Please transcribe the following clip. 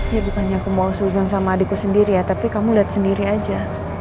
ya bukannya aku mau sulisan sama adikku sendiri ya tapi kamu lihat sendiri aja